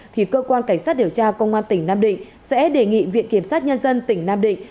thì cơ quan cảnh sát điều tra công an tỉnh nam định sẽ đề nghị viện kiểm sát nhân dân tỉnh nam định